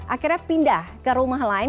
akhirnya pindah ke rumah lain